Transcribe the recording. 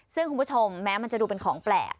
ซึ่งคุณผู้ชมแม้มันจะดูเป็นของแปลก